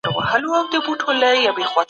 اخلاقي دنده بايد ترسره سي.